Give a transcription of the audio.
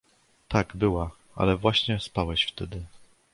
— Tak, była, ale właśnie spałeś wtedy.